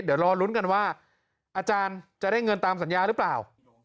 เดี๋ยวรอลุ้นกันว่าอาจารย์จะได้เงินตามสัญญาหรือเปล่า